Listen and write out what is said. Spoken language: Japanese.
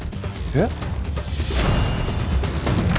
えっ？